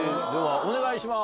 お願いします。